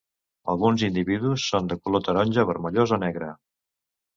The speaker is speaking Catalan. Alguns individus són de color taronja vermellós o negre.